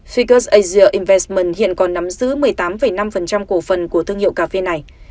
ficus asia investment hiện còn nắm giữ một mươi tám năm cổ phần của thương hiệu cà phê này